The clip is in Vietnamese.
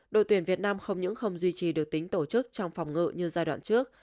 đội tuyển việt nam không những không duy trì được tính tổ chức trong phòng ngự như giai đoạn trước